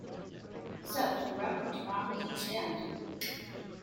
South grew up in Toronto's East End.